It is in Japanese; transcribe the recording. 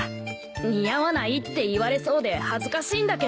似合わないって言われそうで恥ずかしいんだけど。